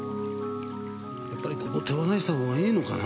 やっぱりここ手放したほうがいいのかな？